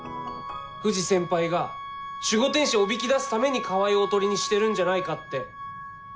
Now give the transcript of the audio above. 藤先輩が守護天使をおびき出すために川合をおとりにしてるんじゃないかって。